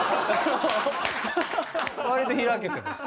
割と開けてます。